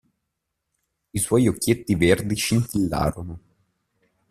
I suoi occhietti verdi scintillarono.